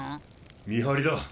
見張りだ。